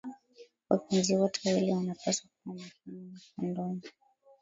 wapenzi wote wawili wanapaswa kuwa makini na kondomu